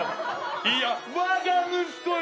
いやわが息子よ。